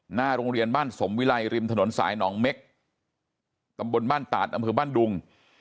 หน้าโรงเรียนบ้านสมวิลัยริมถนนสายหนองเม็กตำบลบ้านตาดอำเภอบ้านดุง